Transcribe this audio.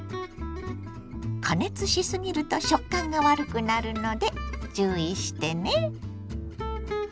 加熱しすぎると食感が悪くなるので注意してね。